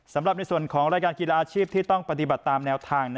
สำหรับในส่วนของรายการกีฬาอาชีพที่ต้องปฏิบัติตามแนวทาง